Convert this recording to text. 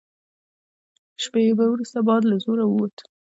شېبه وروسته باد له زوره ووت.